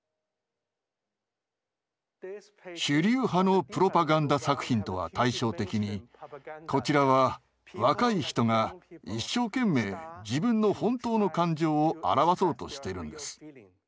主流派のプロパガンダ作品とは対照的にこちらは若い人が一生懸命自分の本当の感情を表そうとしてるんです。